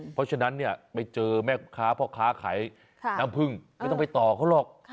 เพราะฉะนั้นเนี่ยไปเจอแม่ค้าพ่อค้าขายน้ำพึ่งไม่ต้องไปต่อเขาหรอก